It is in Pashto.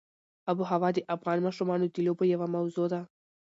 آب وهوا د افغان ماشومانو د لوبو یوه موضوع ده.